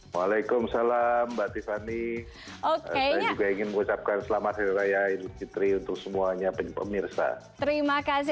waalaikumsalam mbak tiffany saya juga ingin mengucapkan selamat hari raya idul fitri untuk semuanya pemirsa